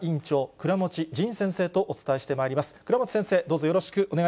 倉持先生、どうぞよろしくお願い